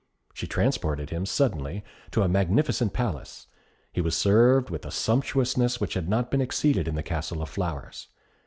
She transported him suddenly to a magnificent palace. He was served with a sumptuousness which had not been exceeded in the Castle of Flowers.